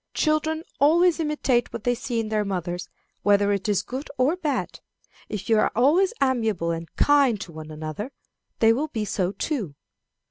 Children always imitate what they see in their mothers, whether it is good or bad. If you are always amiable and kind to one another, they will be so too."